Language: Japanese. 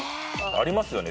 ありますよね